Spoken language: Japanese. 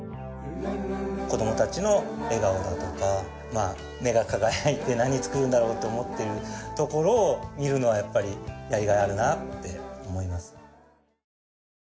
子供たちの笑顔だとか目が輝いて何作るんだろうって思ってるところを見るのがやっぱりやりがいがあるなって思います。